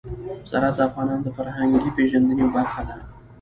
زراعت د افغانانو د فرهنګي پیژندنې برخه ده.